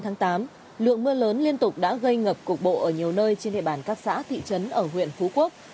ngày tám lượng mưa lớn liên tục đã gây ngập cục bộ ở nhiều nơi trên địa bàn các xã thị trấn ở huyện phú quốc